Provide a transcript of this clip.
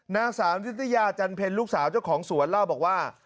นักศาสนิทยาอัษันเผนลูกสาวเจ้าของสวนเล่าบอกว่า